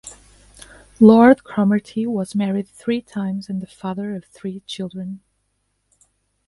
Lord Cromartie was married three times and the father of three children.